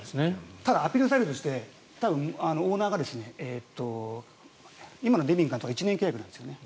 ただアピールサイドとしてオーナーが、今のネビン監督は１年契約なんですね。